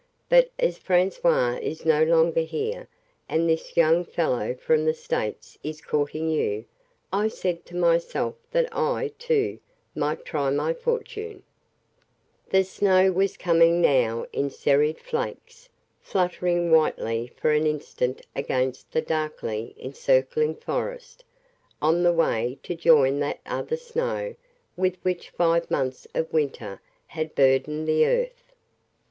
But as François is no longer here, and this young fellow from the States is courting you, I said to myself that I, too, might try my fortune ..." The snow was coming now in serried flakes, fluttering whitely for an instant against the darkly encircling forest, on the way to join that other snow with which five months of winter had burdened the earth.